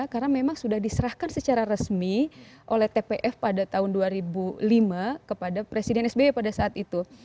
karena memang sudah diserahkan secara resmi oleh tpf pada tahun dua ribu lima kepada presiden sby pada saat itu